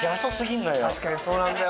確かにそうなんだよ。